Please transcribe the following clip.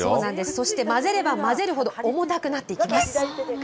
そして混ぜれば混ぜるほど、重たくなっていきます。